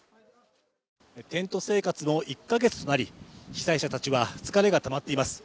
テント生活も１ヶ月となり、被災者たちは疲れがたまっています。